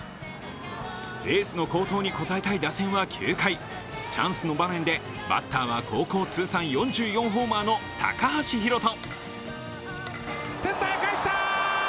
エースの好投に応えたい打線は９回、チャンスの場面でバッターは高校通算４４ホーマーの高橋海翔。